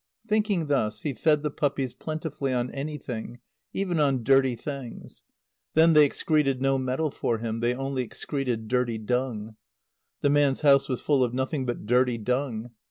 Thinking thus, he fed the puppies plentifully on anything, even on dirty things. Then they excreted no metal for him. They only excreted dirty dung. The man's house was full of nothing but dirty dung.